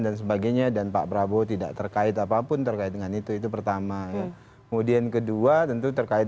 dan pak prabowo tidak terkait apapun terkait dengan itu itu pertama kemudian kedua tentu terkait